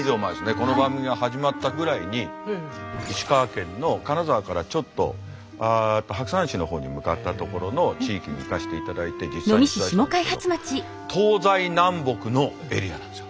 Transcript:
この番組が始まったぐらいに石川県の金沢からちょっと白山市の方に向かったところの地域に行かせていただいて実際に取材したんですけど東西南北のエリアなんですよ。